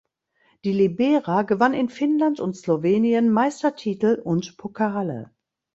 Die Libera gewann in Finnland und Slowenien Meistertitel und Pokale.